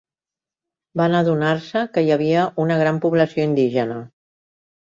Van adonar-se que hi havia una gran població indígena.